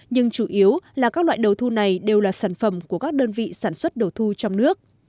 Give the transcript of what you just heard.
nhưng chủ yếu là các loại đầu thu này đều là sản phẩm của các đơn vị sản xuất đầu thu trong nước